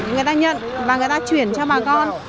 người ta nhận và người ta chuyển cho bà con